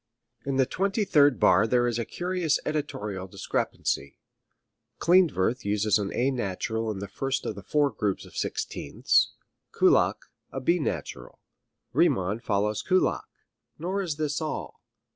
In the twenty third bar there is curious editorial discrepancy. Klindworth uses an A natural in the first of the four groups of sixteenths, Kullak a B natural; Riemann follows Kullak. Nor is this all.